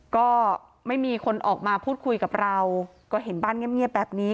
ก็ไม่มีคนออกมาพูดคุยกับเราก็เห็นบ้านเงียบแบบนี้